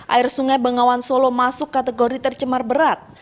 air sungai bengawan solo masuk kategori tercemar berat